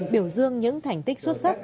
biểu dương những thành tích xuất sắc